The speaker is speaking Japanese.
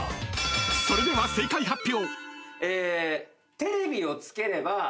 ［それでは正解発表］